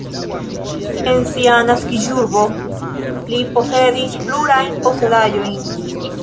En sia naskiĝurbo li posedis plurajn posedaĵojn.